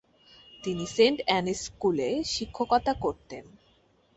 তিনি Saint Anne's স্কুলে শিক্ষকতা করতেন।